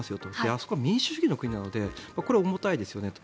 あそこは民主主義の国なのでこれは重たいですよねと。